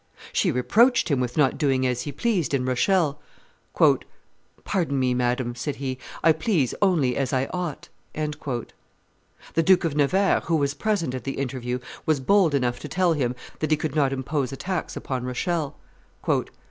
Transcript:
She reproached him with not doing as he pleased in Rochelle. "Pardon me, madame," said he, "I please only as I ought." The Duke of Nevers, who was present at the interview, was bold enough to tell him that he could not impose a tax upon Rochelle.